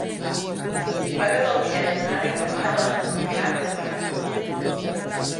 Si pagues el bitllet d'anada i tornada, et sortirà més barat.